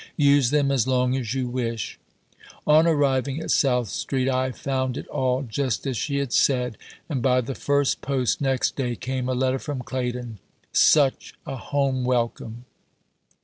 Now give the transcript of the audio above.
Use them as long as you wish." On arriving at South Street I found it all just as she had said, and by the first post next day came a letter from Claydon, such a home welcome!